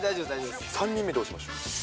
３人目どうしましょう？